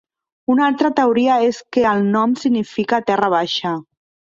Una altra teoria és que el nom significa "terra baixa".